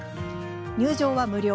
入場は無料。